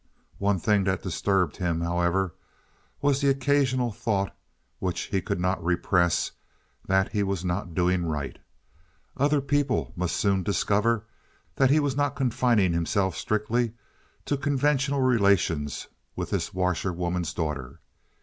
One thing that disturbed him, however, was the occasional thought, which he could not repress, that he was not doing right. Other people must soon discover that he was not confining himself strictly to conventional relations with this washer woman's daughter.